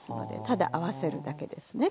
ただ合わせるだけですね